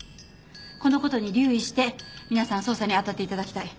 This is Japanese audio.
この事に留意して皆さん捜査にあたって頂きたい。